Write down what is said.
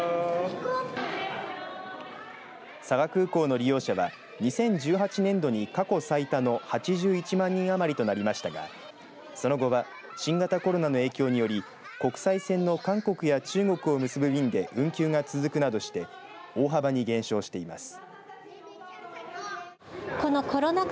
佐賀空港の利用者は２０１８年度に過去最多の８１万人余りとなりましたがその後は新型コロナの影響により国際線の韓国や中国を結ぶ便で運休が続くなどして大幅に減少しています。